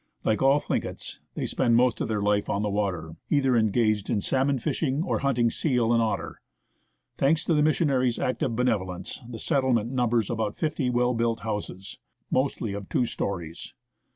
Like all Thlinkets, they spend most of their life on the water, either engaged in salmon fishing or hunting seal and otter. Thanks to the missionary's active benevolence, the settlement numbers about fifty well built houses, mostly of two storeys.